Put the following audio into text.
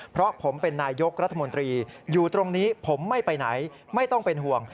เพราะผมเป็นนายยกรัฐมนตรีอยู่ตรงนี้ผมไม่ไปไหนไม่ต้องเป็นห่วง